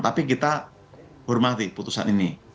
tapi kita hormati putusan ini